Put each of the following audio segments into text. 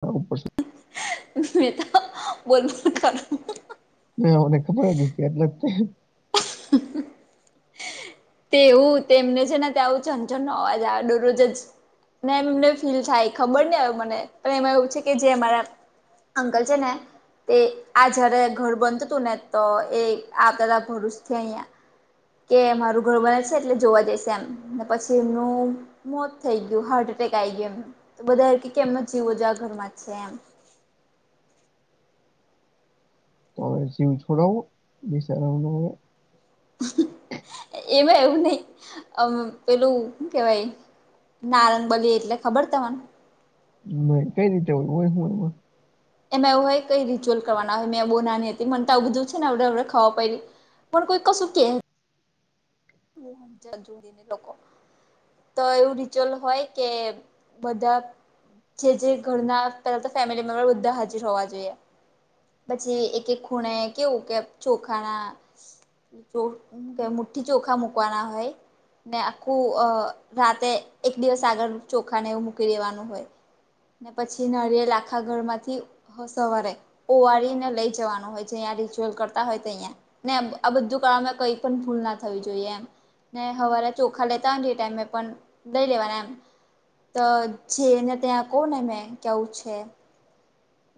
હા ઉપર છે બોલબોલ કરો ના મને ખબર જ કે એટલેજ તે [inaudible] તેવું તેમને છે ને ત આવું છંછન ન અવાજે આ દરરોજ જ ના એમ એમને ફીલ થાય ખબર નહી આવ મને પણ એમાં એવું છે કે જે અમારા અંકલ છેને તે આ જયારે ઘર બનું હતું ને તો એ આ બધા ભરૂચ છે અહિયાં કે મારું ઘર બને છે એટલે જોવા જઈશે એમ પછી એમનું મોત થઈ ગયું હાર્ટ એટેક આઈ ગયું એમ તો બધા કે એમના હજો આજ ઘરમાં છે એમ હ જેવ છોડવ વિસાાર નવે એમાં એવું નહી અમ પેલું હુ કેવાય નારંગબલી એટલે ખબર તને નહી કઈ રીતે હોય હોય હું એમાં એમાં એવુંય કઈ રિચ્યુલ કરવાના હોય મેં એ બો નાની હતી મનેતા આવ બધું છે ને એવડે એવડે ખબર પડી પણ કોઈ કશું કે હું હમજત જોડીને લોકો તો એવું રિચ્યુઅલ હોય કે બધા જે જે ઘરના પેલા તો ફેમિલી મેમ્બર બધા હાજર હોવા જોઈએ પછી એક એક ખૂણે કેવું કે ચોખાના જો હું કે મુઠ્ઠી ચોખા મુકવાના હોય. ને આખું અ રાતે એક દિવસ આગળ ચોખાને એવું મૂકી દેવાનું હોય. ને પછી નરિયેલ આખા ઘર માંથી સવારે ઓવાળને લઈ જવાનું હોય જેયા રિચ્યુઅલ કરતા હોય તો અહંયા ને આ બધું કામાં કઈ પણ ભૂલ ના થ જોઈએ એમ ને હવારે ચોખા લેતા હો એ ટાઈમે પણ લઈ લેવાના એમ તો જેને ત્યાં કહ ને મેં કેવું છે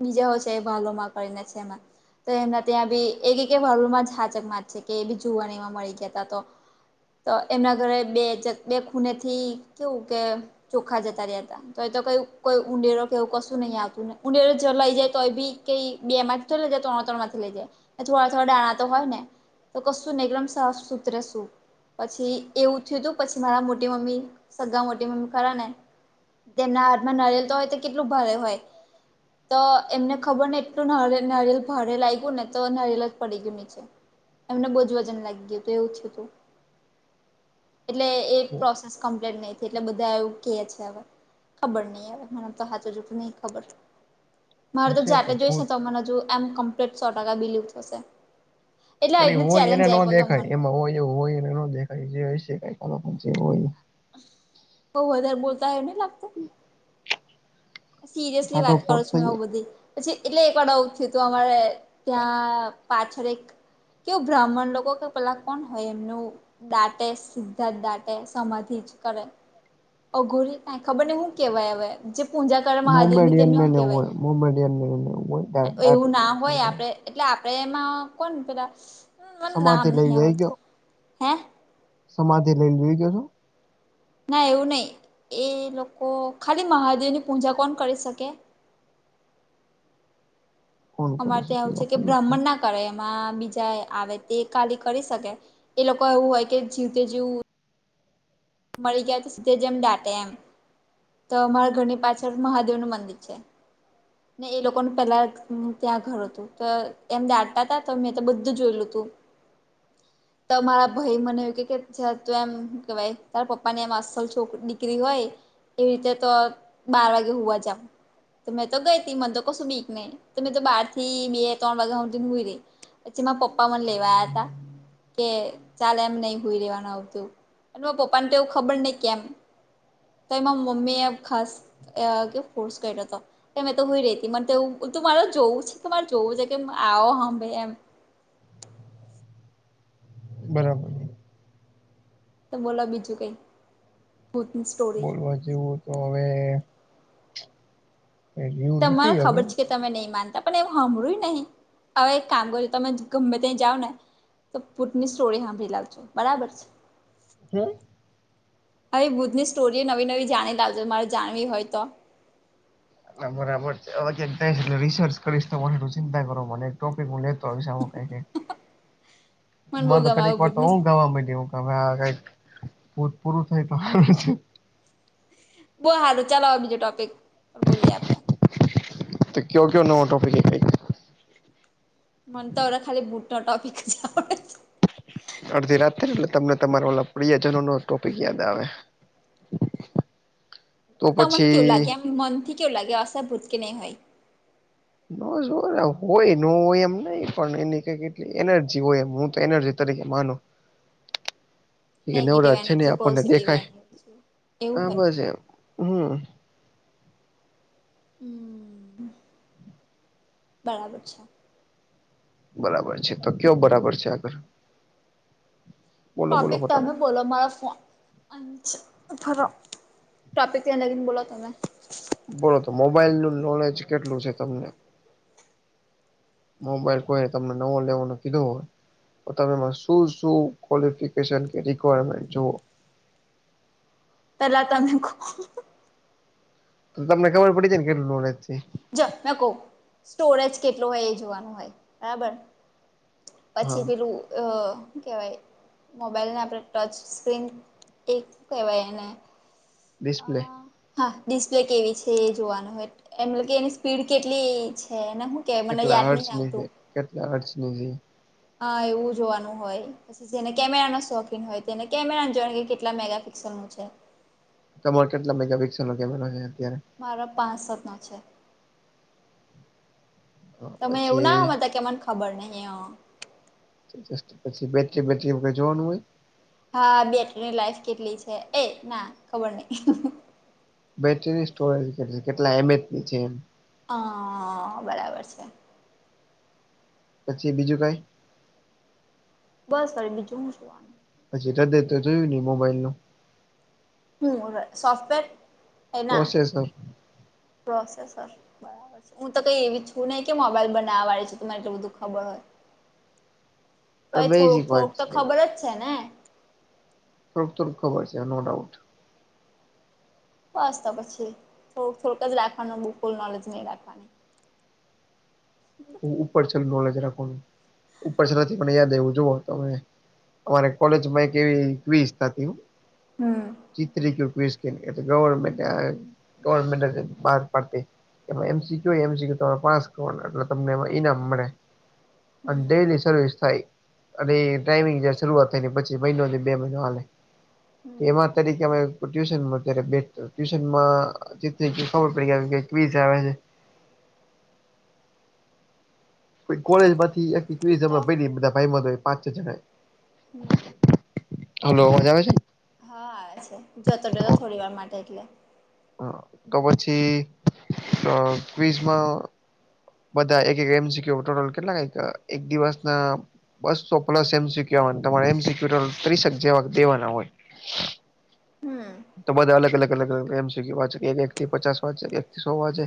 બીજા હોય છે એ [inaudible] કરીને છે એમાં. તો એમના ત્યાં બી એ કે કે વરુળમાં જ હાચકમાં જ છે કે એબી જુવાનીમાં મળી ગયાતા તો તો એમના ઘરે બે જત બે ખૂનેથી કેવું કે ચોખા જતા રહ્યા તા તો એ તો કઈ કોઈ ઊંડેરો કે એવું કશું નહી આવતું ને ઊડેરો જલાઈ જાય તોય બી કઈ બેમાં થી તો લઈ જાય ત્રણ ત્રણ માંથી લેજે. અથવા થોડા દાણા તો હોય ને તો કશું નહીં એકદમ સાફ સુથરે સુ. પછી એવું થયું તું પછી મારા મોટી મમ્મી સગા મોટી મમ્મી ખરા ને. તેમના હાથમાં નાડિયેલ તો હોય તે કેટલું ભારે હોય. તો એમને ખબર નહીં એટલું નારિયેલ નાડિયેલ ભારે લાગ્યું ને તો નારિયલ જ પડી ગયું નીચે. એમને બહુ જ વજન લાગી ગયતું એવું થયું તું. [unintelligible] એટલે એ પ્રોસેસ કમ્પ્લીટ નહીં થી એટલે બધા એવું કહે છે હવે ખબર નહીં હવે ઘણા તો હાચુ જુઠું નહીં ખબર. મારે તો હશે જાતે જોઈશ ને ભૂત તો મને હજુ એમ કમ્પ્લીટ સો ટકા બિલિવ થશે. એટલે પણ આવી એ રીતની હોય એને ચેલેન્જ નો આપ્યો તો દેખાય મને એમાં હોય એવું હોય એને ન દેખાય જે હસે કંઈક અલગ જે હોય એ તો વધારે બોલતા હોય એવું નહીં લાગતું? સિરિયસલી ફાટો વાત ફટ કરું છું થઈ મેં જાય બધી પછી એટલે એક વાર આવું થયું તું અમારે ત્યાં પાછળ એક કેવું બ્રાહ્મણ લોકો કે પેલા કોણ હોય એમનું દાટે સીધા જ દાટે સમાધિ જ કરે. અઘોરી કાઈ ખબર નહીં હું કેવાય હવે. જે પૂજા કરે મહાદેવની તેમને મોમેડિયનને હું ને એવું કેહેવાય હોય મોમેડિયનને ને એવું હોય દા એવું દાટી દે ના હોય સરકાર આપે એટલે આપણે એમાં કોણ પેલા મને નામ સમાધિ લઈ નહીં જઈ આવડતું ગયો હે સમાધિ લઈ લે ઈ ક્યો છો? ના એવું નહીં એ લોકો ખાલી મહાદેવની પૂજા કોણ કરી શકે? ફોન કરી અમારે ત્યાં શકી આવું છે કે આપણને બ્રાહ્મણના કરે એમાં બીજા આવે તે ખાલી કરી શકે એ લોકો એવું હોય કે જીવતે જીવ મળી ગયા તો સીધે જ એમ ડાટે એમ. તો અમારા ઘરની પાછળ મહાદેવનું મંદિર છે. [unintelligible] ને એ લોકોનું પહેલાં ત્યાં ઘર હતું તો એમ દાટતા તા તો મેં તો બધું જોયેલું તું. [unintelligible] તો મારા ભાઈ મને એવું કે કે જ તું એમ હું કેવાય તારા પપ્પાની આમ અસલ છોક દીકરી હોય એવી રીતે તો બાર વાગે હુવા જા. તો મેં તો ગઈતી મને તો કશું બીક નહી તો મેં તો બાર થી બે ત્રણ વાગ્યા હુધી ન હુઈ રહી. પછી માર પપ્પા મને લેવા આયાતા. કે ચાલ એમ નહી હુઈ રેવાનું આવતું અને માર પપ્પાને તો એવું ખબર નહીં કેમ તોય માર મમ્મીએ ખાસ અ ફોર્સ કર્યો તો. કે મેં તો હુઈ રેતી મને તો એવું તું મારે જોવું છે મારે જોવું છે કે આવો અંભે એમ. બરાબર. તો બોલો બીજું કઈ? ભૂતની સ્ટોર બોલવા જેવું તો હવે કઈ રહ્યું તમાને નથી હવે ખબર છે તમે નહી માનતા પણ એવું હાભળ્યું નહીં હવે એક કામ કર જો તમે ગમે ત્યાં જાઓ ને તો પૂટની સ્ટોરી હાભળી લાવજો બરાબર છે. હે? આવી ભૂતની સ્ટોરીઓ નવી નવી જાણી લાવજો મારે જાણવી હોય તો? ના બરાબર હવે કંઈક જાઇસ એટલે રિસર્ચ કરીશ તમે ચિંતા કરો મને એક ટોપિક હું લેત મને બહુ ગમાવે [unintelligible] વાર તો બુદ્ધની હું ગાવા [unintelligible] તમે આ કઈક પુંરુ થાય તો છે. બો હા તો ચાલો હ બીજું ટોપિક બોલીએ આપડે. [unintelligible] મન તો ખાલી બુટ નો ટોપિક જ આવડે. છે અડધી રાત થાયને એટલે તમને તમારા ઓ પ્રિયજનો નો ટોપિક યાદ આવે. [inaudible] તમને કવું લાગે પછી મનથી કવું લાગે હશે ભૂત કે નહીં હોય. હોય ન હોય એમ નહી પણ એની કઈ કેટલી એનર્જી હોય એમ હું તો એનર્જી તરીકે માનું. [inaudible] એ નેગેટિવ નવરાત છે ને એનર્જી આપણને પોઝિટિવ દેખાય એનર્જી એવું હા હોય બસ એમ હમ. હમ બરાબર છે. બરાબર છે તો કયો બરાબર છે આગળ બોલો બોલો ટોપિક ફટાફટ તમે બોલો મારા ફોન અચ થોરા ટોપિક છે લગીન બોલો તમે. બોલો તો મોબાઈલ નું નોલેજ કેટલું છે તમને? મોબાઈલ હોય કોઈ તમને નવો લેવાનું કીધો હોય. તો તમેમાં શું શું ક્વોલિફિકેશન કે રિક્વાયરમેન્ટ જુઓ. પેલા તમે કો. તો તમને ખબર પડી છે ને કેટલું નોલેજ છે. જો મે કવું સ્ટોરેજ કેટલો હોય એ જોવાનું હોય બરાબર હા પછી પેલું શું કેવાય મોબાઈલને આપણે ટચ સ્ક્રીન એક કહેવાય એને અ ડિસ્પ્લે. હા ડિસ્પ્લે કેવી છે એ જોવાનું હોય એમલ કે એની સ્પીડ કેટલી છે હું કે મને કેટલા યાદ નહી હર્ટની છે આવતું. કેટલા [unintelligible] હેં. હા એવું જોવાનું હોય પછી જેને કેમેરાના શોખીન હોય તેને કેમેરાને જોવાણે કે કેટલા મેગાપિક્સલનું છે. તમારો કેટલા મેગાપિક્સલ નો કેમેરો છે અત્યારે? મારા પાંચ સતનો છે. તમે એવું ના પછી હોવા ત કે મને ખબર નહીં હ પછી બેટરી બેટરી જોવાનું હોય? હા બેટરીની લાઈફ કેટલી છે એ ના ખબર નહીં. બેટરીની સ્ટોરેજ કેટલી કેટલા એમચની છે એમ. હા બરાબર છે. પછી બીજું કઈ? બસ પછી બીજું હું જોવાનું. પછી [unintelligible] જોયું નઈ મોબાઈલ નું. હમ સોફ્ટવેર એ ના પ્રોસેસર પ્રોસેસર બરાબર હું તો કઈ એવી છું નહી કે મોબાઈલ બનાવવાડે છે તો મને એટલું બધું ખબર હોય. [unintelligible] હવે થોડુંક વાત થોડુંક તો છે ખબર જ છે ને. થોડું તને ખબર છે નો ડાઉટ. બસ તો પછી થો થોડુંક જ રાખવાનું બુલકુલ નોલેજ નહીં રાખવાની ઉપર છે એલું નોલેજ રાખવાનું ઉપર છે નથી મને યાદ આવું જોુઓ તમે અમારે કોલેજ માં એક એવીસ્ હતી હમ. ચિત્ર [unintelligible] એ ગવર્મેન્ટ ગવર્મેન્ટ બહાર પાડતી એમાં એમસી કયુ હોય એમસી એમસી કયુ પાસ કરવા એ તમને એમાં ઈનામ મળે અને હમ ડેલી સર્વિસ થાય. અને ટાઈમિંગ શરૂઆત થાય પછી મહિનોથી બે મહિનો હાલે એમાં હમ તારી ટ્યુશન્યારે બે ટ્યુશનમાં જે ખબર પડી [unintelligible] કોઈ કોલેજ તો માંથી બધા ભાઈ માં પાંચ છ જણા હમ હલો હોજ આવે છે હા જતો જતો થોડી વાર માટે એટલે તો પછી ક્િઝમાં બધા એક એક એમ શીખ્યું ટોટલ કેટલા કક એક દિવસ ના બસો પ્લસ એમસીુ તમારે એમસીકુ ત્રીસક જેવા દેવાના હોય હમ તો બધા અલગ અલગ અલગ અલગ એમ સુ કે વા છે કે એક થી પચાસ વાંચે એક થી સો વાંચે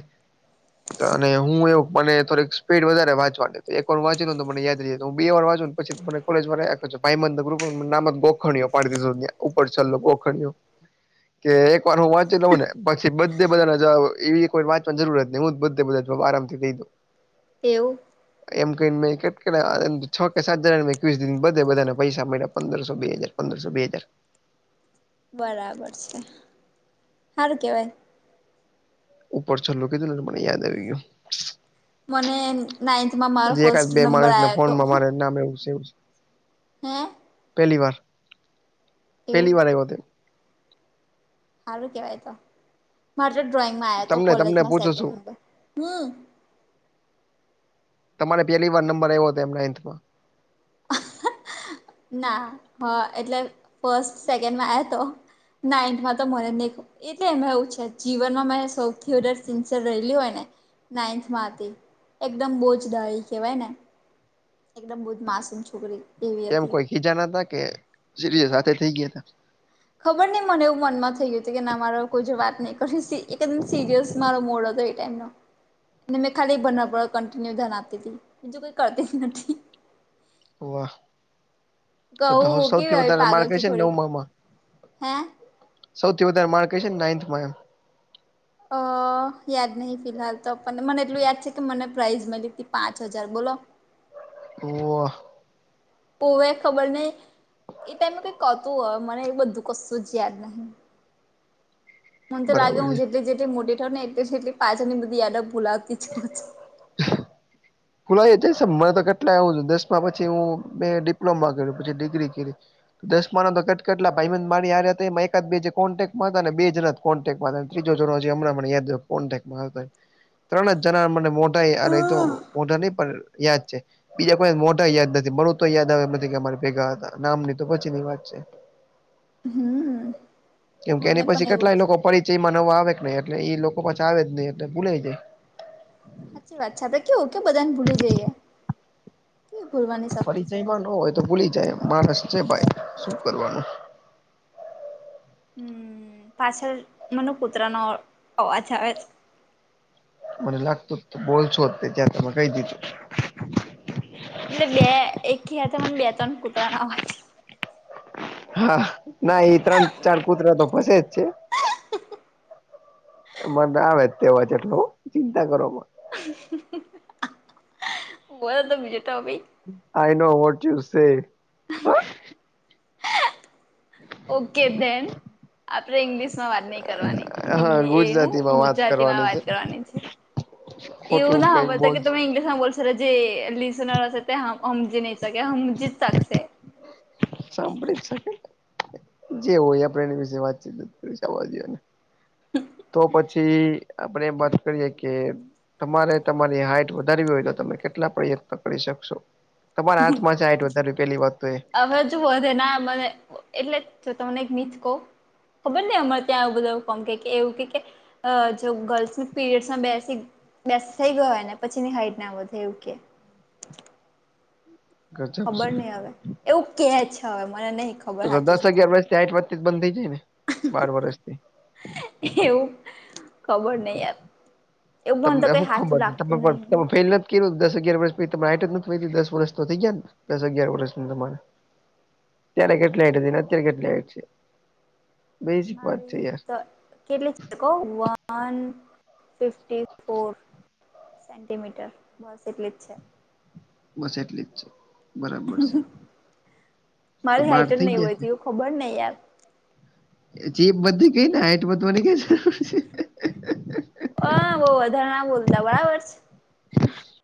અને હું એવું મને થોડીક સ્પીડ વધારે વાંચવાની તો એક વાર વાંચી લને મને યાદ રહી જ તો હું બે વાર વાંચું પછી મને કોલેજમાં રાખ છે ભાઈ મ ગુપ નામ જ ગોખણયો પાો ઉપર છેલ્ ગોખણયો કે એક વાર હું વાંચી લઉં ને પછી બધે બધાને જ એવી એક વાર વાંચવાની જરૂરત ન હું જ બધે બધા શોભ આારમ થ દઈું તેવ એમ કને મે કેટ છ કે સાત હજાર એકવીસ બધે બધાને પૈસા મળ્યા પંદરસો બે હાજાર અંદરસો બેજર બરાબર છે સારું કેવાય ઉપર છલ્લું કીધું ને મને યાદ આવી ગયું મને નાઈન્થમાં મારો હજી એકાદ ફર્સ્ટ બે નંબર માણસને આવ્યો ફોનમાં મારે નામ એવું છે એવું છે હમ પહેલી વાર એવું પહેલી વા એ બતે સારું કેવાય તો મારે તો ડ્રોઈંગમાં આવ્યા હતો તમને તમને કોલેજમાં પૂછું સેકન્ડ છું નંબર હમ તમારે પેલી વાર નંબર આવ્યો હતો એમ નાઇન્થમાં [unintelligible] ના હા એટલે ફસ્ટ સેકન્ડમાં આવ તો નાઇન્થમાં તો મને ખ એટલે એવું છે જીવનમાં મે સૌથી વધારે સિન્સિયર રહેલી હોય ને નાઇન્થમાં હતી એકદમ બહુજ ડળ કહેવાય ને એકદમ બુજ માસ સમ છોકરી એવી કેમ હતી કોઈ ખીજા ન હતા કે સ સાથે થઈ ગયા ત ખબર નહ મને એવું મનમાં થઈ ગયું હતું કે ના મારો કોઈ જો વાત નહીં કરી એકદમ સિરિયસ મારો મોડ હતો ખાલી ભરિન્ય ધ્યાન આપતી બીજું કોઈ કરતી નથી વાહ કહું કેવી સૌથી આવી વધારે પાગલ છું માર્ગદર્શનનો થોડીક મામા હે સૌથી વધારે માર્ક ક છે નાઇન્થમાં એમ અ [unintelligible] યાદ નહીિ ફિલહાલ તોને મને એટલું યાદ છે કે મને પ્રાઇઝ મળી હતી પાંચ હજાર બોલો ઓ પોવે ખબર ને એ ટાઈમે કઈક કતું હોય મને એ બધું કશું જ યાદ નહીિ હ મને તો લાગે હું જેટલી જેટલી મોટી થઉં ને એટલેટલી પાછાળની બધી યાડ ભૂલાવતી જ- ખુલા જ મને તો કેટલા એવું દસ પછી હ મેં ડિપ્લોમા કર પછી ડિગ્રી કરી હતી. દસમાના તો કેટ કેટલા ભાઈબંધ હતા એમાં એકાદ બે જે કોન્ટેક્ટમાં હતા અને બે જ નથી [unintelligible] મોા અને તો છું મોટા નહી પણ યાદ છે બીજા કોઈ મોટા યાદ નથી મળું તો યાદ આવે એમ નથી કે અમારે ભેગા હતા નામની તો પછીની વાત છે હમ્મ કેમ કે મને એની પછી પણ એવું કેટલાય જ છે લોકો પડી એમાં નવવા આવે કે નહી એટલે એ લોકો પાછસે આવે જ નહી એટલે ભૂલે જાય સાચી વાત છે આપડે કેવું કેયો બધા ને ભૂલી જઈએ કેવી ભૂલવાની શક્તિ છે. પરિચયમાં ન હોય તો ભૂલી જાય માણસ છે ભાઈ શું કરવાનું હમ પાછળ મને કૂતરાનો અવાજ આવે મને લાગતું જ તો બોલશો ત્યાંમે કહી દીધું- એટલે બે એક ખયા મને બે ત્રણ કૂતરા નાવાથી. હા ના એ ત્રણ ચાર કુતરા તો ફસે જ છે. એ મને આવે જ તેવા છે. એટલો ચિંતા કરો હ [inaudible] ઉ તો બજટ હો [unintelligible] I know what you say. Okay then આપણે ઇંગ્લિશ માં વાત નહી કરવાની હા હિન્દી એ હું ગુજરાતીમાં વાત ગુજરાતી માં કરવાની છે વાત કરવાની છે. એવું ખોટું ના કઈક હમઝતા બોલ કે તમે ઇંગ્લિશ બો- રા જે લિસનાર તે હમજી ન ચખે હમજી સકશે સાંભળી શ જે હોય આપડે એની વિશે વાતચીત કરીશ આજઓને. હ [unintelligible] તો પછી આપડે એમ વાત કરીએ કે તમારે તમારી હાઈટ વધારવી હોય તો તમે કેટલા પ્રયત્ન પકડી શકશો- તમારા હાથમાં છે. આઈટ વધારે પેલી વાત- તો એ હવેજ વધે ના મને એટલે જો તમને નીચ કહ ખબર નઈ અમારે ત્યાં બધાવું કોમ કે કે એવું કે કે અ જો ગર્લ્સ પીરિયડમાં બેસી બેસ થઈ ગયોને પછી ની હાઈટ નામ થ એવ કે ગજબ ખબર છે. નહ હવે એવું કે છે. હવે મને નહ તો દસ અગિયાર વાથી આઠ વાજથી જ બંધ થઇ જાય ને બાર વરષથી એવું ખબર નહી યાર- એવું મને તમને તો કઈ શું ખબર સાચું નથી તમે લાગતું પણ તમે નહી ફેલ નથી. કેું દસ અગયાર વર્ષછી જ દસ વર્ષ તો થઈ ગયા ને દસ અગિયાર વર્ષ તમારે- અત્યારે કેટલીને અત્યારે કેટલી છે? બેઝિક વાત છે મારી યાર કેટલી વન ફિફ ફોર. સેન્ટીમીટર બસ એટલી જ છે. બસ એટલી જ છે બરાબર છે. તો મારી બહાર હાઈટ જ થઈ નહી જશે વધી ખબર નહી યાર એ ચીપ બધી કઈ ને હાઈટ બધું મને કે અ બો ધરણા બોલતા બરાબર છે.